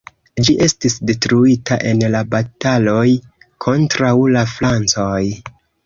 Ĝi estis detruita en la bataloj kontraŭ la francoj.